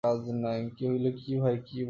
কহিল, কী ভাই, কী বন্ধু!